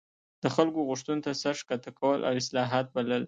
د خلکو غوښتنو ته سر ښکته کول او اصلاحات بلل.